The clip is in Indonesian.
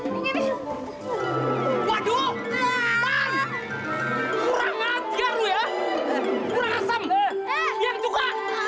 waduh pan kurang latihan lu ya kurang asem yang suka